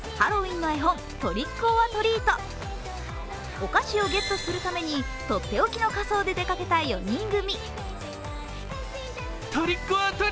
お菓子をゲットするために、とっておきの仮装で出かけた４人組。